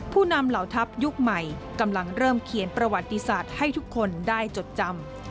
ผู้นำเหล่าทัพยุคใหม่กำลังเริ่มเขียนประวัติศาสตร์ให้ทุกคนได้จดจำ